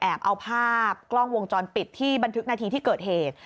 เอาภาพกล้องวงจรปิดที่บันทึกนาทีที่เกิดเหตุ